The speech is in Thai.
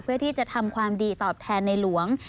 เพื่อที่จะทำความดีตอบแทนในหลวง